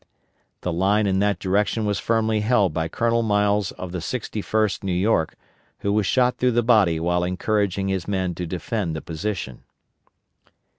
The line in that direction was firmly held by Colonel Miles of the 61st New York, who was shot through the body while encouraging his men to defend the position.